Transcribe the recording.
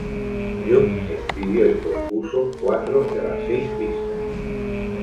Jung escribió y compuso cuatro de las seis pistas.